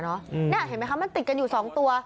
นี่เห็นมั้ยคะมันติดกันอยู่สองตัว